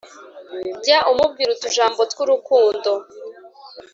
jya umubwira utujambo tw’urukundo,